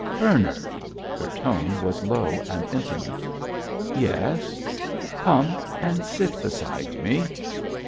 "Bernard!" Her tone was low and intimate. "Yes." "Come and sit beside me."